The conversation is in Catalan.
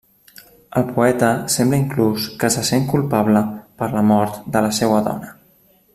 El poeta sembla inclús que se sent culpable per la mort de la seua dona.